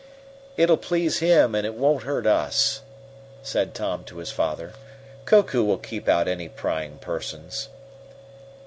"It'll please him, and won't hurt us," said Tom to his father. "Koku will keep out any prying persons."